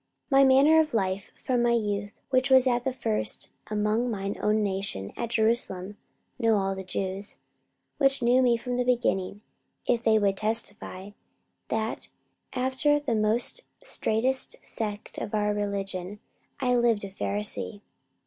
44:026:004 My manner of life from my youth, which was at the first among mine own nation at Jerusalem, know all the Jews; 44:026:005 Which knew me from the beginning, if they would testify, that after the most straitest sect of our religion I lived a Pharisee.